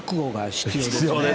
必要ですよ。